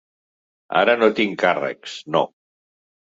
Ara no hi tinc càrrecs, no.